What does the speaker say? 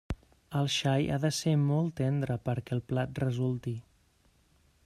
El xai ha de ser molt tendre perquè el plat resulti.